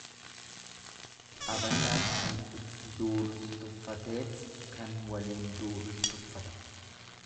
Abashaan kan itti duulus tuffateet kan waliin duulus tuffata.